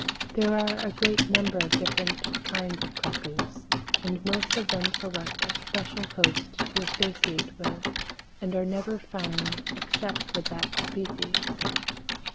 There are a great number of different kinds of cuckoos, and most of them select a special host to associate with, and are never found except with that species.